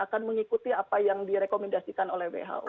akan mengikuti apa yang direkomendasikan oleh who